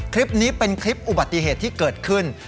คลิปนี้เป็นคลิปอุบัติเหตุที่เกิดขึ้น